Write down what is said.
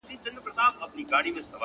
څوك مي دي په زړه باندي لاس نه وهي.